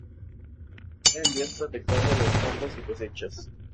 Era el dios protector de los campos y las cosechas.